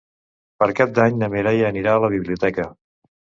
Per Cap d'Any na Mireia anirà a la biblioteca.